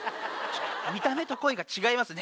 見た目と声が違いますね